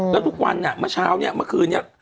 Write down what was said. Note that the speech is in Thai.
แล้วทุกวันนี้เมื่อเช้ามาคืนนี้